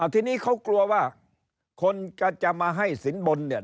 ทีนี้เขากลัวว่าคนจะมาให้สินบนเนี่ย